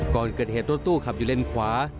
ก่อนเกิดเหตุรถตู้ขับอยู่เลนขวา